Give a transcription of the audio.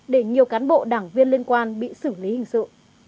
để nhiều cán bộ đảng viên liên quan bị xử lý hình sự